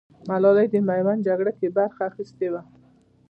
ملالۍ د ميوند جگړه کې برخه اخيستې وه.